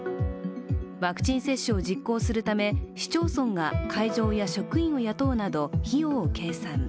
ワクチン接種を実行するため、市町村が会場や職員を雇うなど費用を計算。